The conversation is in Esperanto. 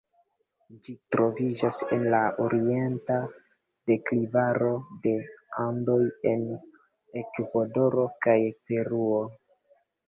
Ĝi troviĝas en la orienta deklivaro de Andoj en Ekvadoro kaj Peruo.